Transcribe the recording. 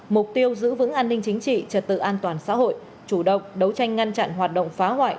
mục tiêu giữ vững an ninh chính trị trật tự an toàn xã hội chủ động đấu tranh ngăn chặn hoạt động phá hoại